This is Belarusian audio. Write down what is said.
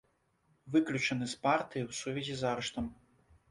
Выключаны з партыі ў сувязі з арыштам.